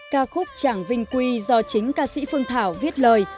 ca khúc chẳng vinh quy do chính ca sĩ phương thảo viết lời